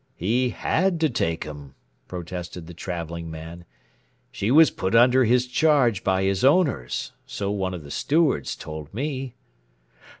"He had to take 'em," protested the Travelling Man. "She was put under his charge by his owners so one of the stewards told me."